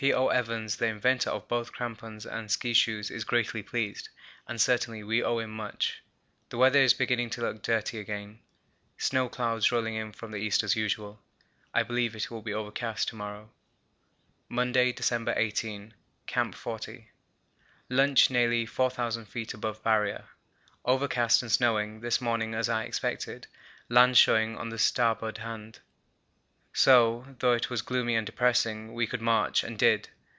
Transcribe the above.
O. Evans, the inventor of both crampons and ski shoes, is greatly pleased, and certainly we owe him much. The weather is beginning to look dirty again, snow clouds rolling in from the east as usual. I believe it will be overcast to morrow. Monday, December 18. Camp 40. Lunch nearly 4000 feet above Barrier. Overcast and snowing this morning as I expected, land showing on starboard hand, so, though it was gloomy and depressing, we could march, and did.